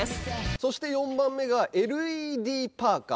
そして４番目がＬＥＤパーカー。